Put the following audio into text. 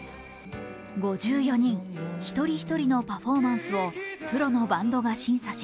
５４人、一人一人のパフォーマンスをプロのバンドが審査し、